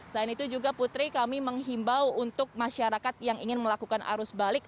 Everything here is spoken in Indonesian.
selain itu juga putri kami menghimbau untuk masyarakat yang ingin melakukan arus balik